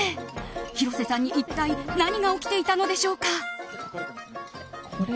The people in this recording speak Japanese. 広瀬さんに一体何が起きていたのでしょうか。